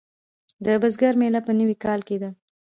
د بزګر میله په نوي کال کې ده.